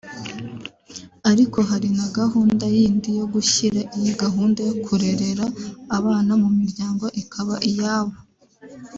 Ariko hari na gahunda yindi yo gushyira iyi gahunda yo kurerera abana mu miryango ikaba iyabo